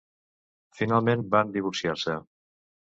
Finalment van divorciar-se.